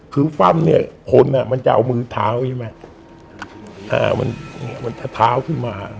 คือฟันเนี่ยคนอ่ะมันจะเอามือเท้าใช่ไหมมันเนี่ยมันจะเท้าขึ้นมา